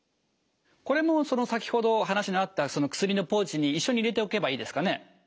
これも先ほど話のあった薬のポーチに一緒に入れておけばいいですかね。